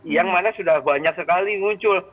yang mana sudah banyak sekali muncul